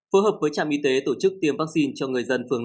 phối hợp với trạm y tế tổ chức tiêm vaccine cho người dân phường năm